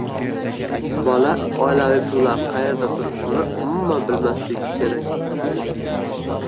bola oilaviy pullar qayerda turishini umuman bilmasligi kerak.